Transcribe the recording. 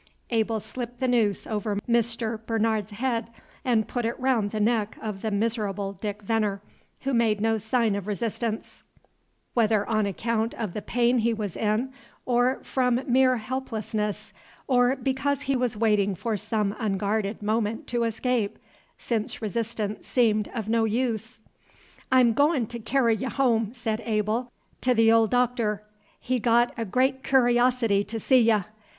Abel slipped the noose over Mr. Bernard's head, and put it round the neck of the miserable Dick Veneer, who made no sign of resistance, whether on account of the pain he was in, or from mere helplessness, or because he was waiting for some unguarded moment to escape, since resistance seemed of no use. "I 'm go'n' to kerry y' home," said Abel; "'T' th' ol Doctor, he's got a gre't cur'osity t' see ye.